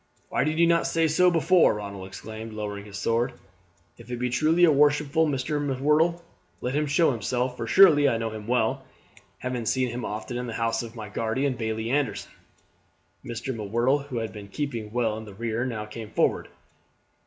"Why did you not say so before?" Ronald exclaimed, lowering his sword. "If it be truly the worshipful Mr. M'Whirtle let him show himself, for surely I know him well, having seen him often in the house of my guardian, Bailie Anderson." Mr. M'Whirtle, who had been keeping well in the rear, now came forward.